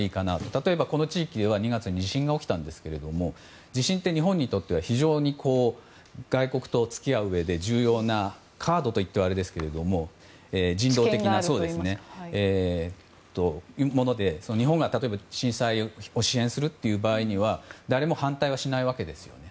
例えば、この地域では２月に地震が起きたんですが地震って日本にとっては非常に外国と付き合ううえで重要なカードといってはあれですけども人道的なもので日本が震災を支援する場合には誰も反対はしないわけですよね。